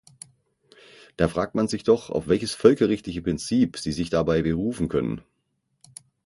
Da fragt man sich doch, auf welches völkerrechtliche Prinzip sie sich dabei berufen können.